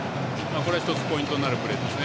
これが１つポイントになるプレーですね。